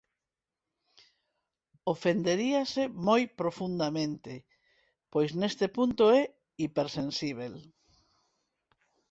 ofenderíase moi profundamente, pois neste punto é hipersensíbel